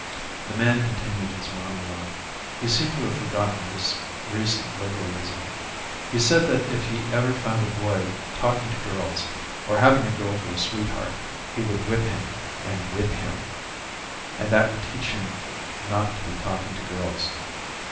The man continued his monologue. He seemed to have forgotten his recent liberalism. He said that if ever he found a boy talking to girls or having a girl for a sweetheart he would whip him and whip him; and that would teach him not to be talking to girls.